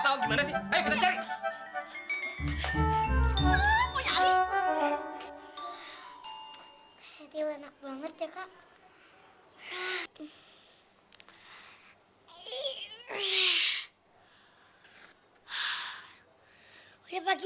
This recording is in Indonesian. kak satil jahat